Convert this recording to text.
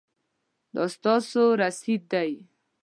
دا ستاسو رسید دی